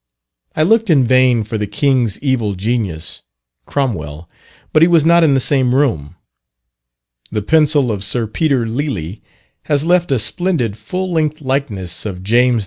I looked in vain for the king's evil genius (Cromwell), but he was not in the same room. The pencil of Sir Peter Lely has left a splendid full length likeness of James II.